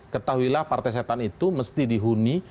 ketahuilah partai setan itu mesti dihuni